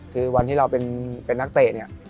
คือวันที่เราเป็นนักเตะ